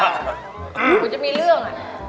อืมกูจะมีเรื่อง